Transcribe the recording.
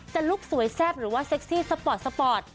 จะลุกสวยแซ่บหรือว่าเซ็กซี่สปอร์ต